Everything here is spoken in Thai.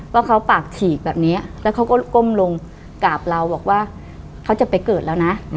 ว่าเขาปากฉีกแบบนี้แล้วเขาก็ก้มลงกราบเราบอกว่าเขาจะไปเกิดแล้วนะ